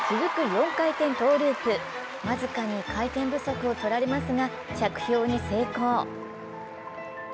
４回転トゥループ、僅かに回転不足をとられますが着氷に成功。